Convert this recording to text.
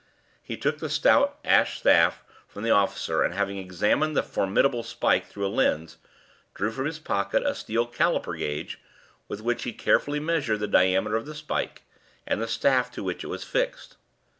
He took the stout ash staff from the officer, and, having examined the formidable spike through a lens, drew from his pocket a steel calliper gauge, with which he carefully measured the diameter of the spike, and the staff to which it was fixed.